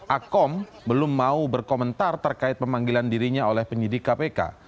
akom belum mau berkomentar terkait pemanggilan dirinya oleh penyidik kpk